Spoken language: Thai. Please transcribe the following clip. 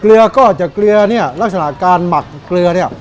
ก็จะเกลือเนี่ยลักษณะการหมักเกลือเนี่ย